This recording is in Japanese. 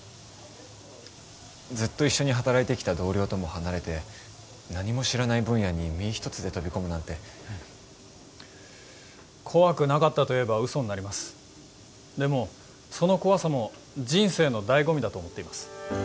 ずっと一緒に働いてきた同僚とも離れて何も知らない分野に身一つで飛び込むなんて怖くなかったと言えば嘘になりますでもその怖さも人生の醍醐味だと思っています